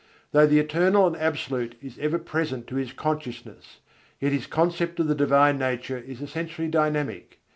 Though the Eternal and Absolute is ever present to his consciousness, yet his concept of the Divine Nature is essentially dynamic.